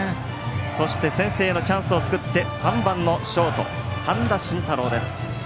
そして先制のチャンスを作って３番のショート半田真太郎です。